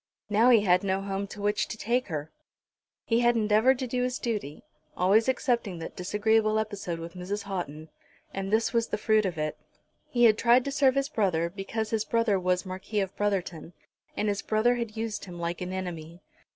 Now he had no home to which to take her. He had endeavoured to do his duty, always excepting that disagreeable episode with Mrs. Houghton, and this was the fruit of it. He had tried to serve his brother, because his brother was Marquis of Brotherton, and his brother had used him like an enemy.